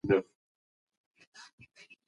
هغه د ځوانانو د بې لارې کېدو د مخنيوي هڅې کولې.